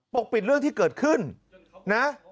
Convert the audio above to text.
ปกปิดเรื่องที่เกิดขึ้นนะ